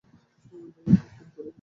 ভাই, আপনাকে টিভিতে দেখাচ্ছে।